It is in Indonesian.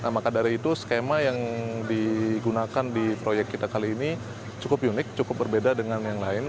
maka dari itu skema yang digunakan di proyek kita kali ini cukup unik cukup berbeda dengan yang lain